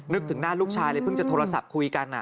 นึกถึงหน้าลูกชายเลยเพิ่งจะโทรศัพท์คุยกัน